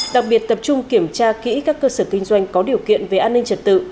đặc biệt tập trung kiểm tra kỹ các cơ sở kinh doanh có điều kiện về an ninh trật tự